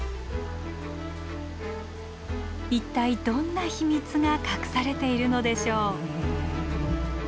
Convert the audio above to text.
一体どんな秘密が隠されているのでしょう？